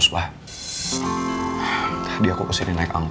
saya merasa c enam